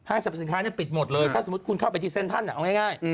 สรรพสินค้าปิดหมดเลยถ้าสมมุติคุณเข้าไปที่เซ็นทันเอาง่าย